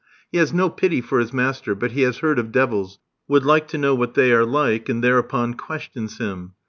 He has no pity for his master, but he has heard of devils, would like to know what they are like, and thereupon questions him.